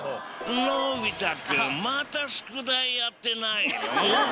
のび太君また宿題やってないの？